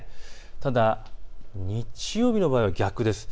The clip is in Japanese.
ただ日曜日の場合は逆です。